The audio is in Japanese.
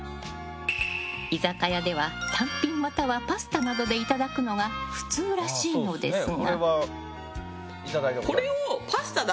居酒屋では、単品またはパスタなどでいただくのが普通らしいのですが。